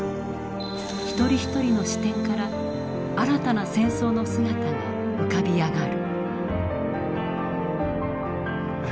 ひとりひとりの視点から新たな戦争の姿が浮かび上がる。